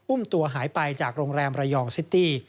ตัวหายไปจากโรงแรมระยองซิตี้